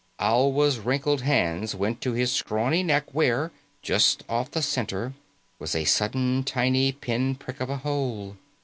Alwa's wrinkled hands went to his scrawny neck where, just off the center, was a sudden tiny pin prick of a hole.